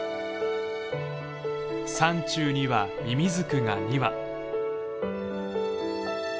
山中にはミミズクが２羽。